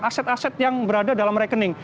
aset aset yang berada dalam rekening